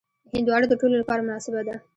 هندوانه د ټولو لپاره مناسبه ده.